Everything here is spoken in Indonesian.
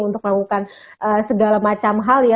untuk melakukan segala macam hal ya